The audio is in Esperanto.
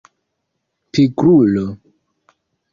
pigrulo